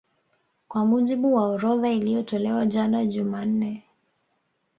Kwa mujibu wa orodha iliyotolewa jana Jumanne